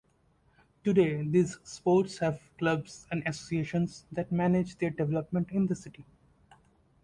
Today, these sports have clubs and associations that manage their development in the city.